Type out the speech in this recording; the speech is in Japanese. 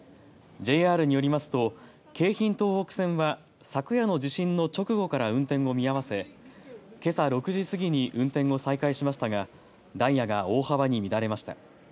ＪＲによりますと京浜東北線は昨夜の地震の直後から運転を見合わせけさ６時過ぎに運転を再開しましたがダイヤが大幅に乱れました。